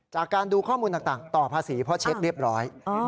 จากการดูข้อมูลต่างต่อภาษีเพราะเช็คเรียบร้อย